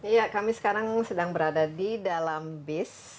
iya kami sekarang sedang berada di dalam bis